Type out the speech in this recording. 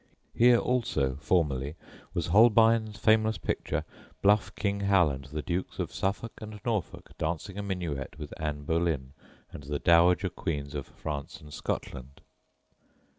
Here also formerly was Holbein's famous picture, Bluff King Hal and the Dukes of Suffolk and Norfolk dancing a minuet with Anne Boleyn and the Dowager Queens of France and Scotland.